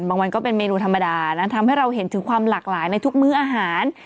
มันก็เป็นเมนูธรรมดานะทำให้เราเห็นถึงความหลากหลายในทุกมื้ออาหาร